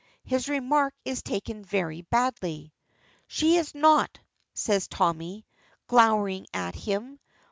His remark is taken very badly. "She's not," says Tommy, glowering at him.